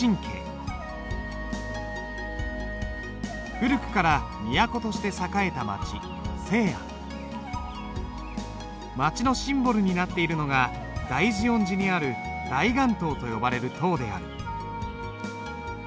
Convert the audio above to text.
古くから都として栄えた街街のシンボルになっているのが大慈恩寺にある大雁塔と呼ばれる塔である。